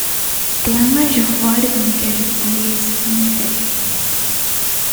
The language of wider communication is Meithei.